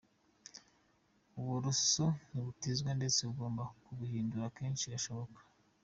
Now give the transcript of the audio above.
Uburoso ntibutizwa ndetse ugomba kubuhindura kenshi gashoboka.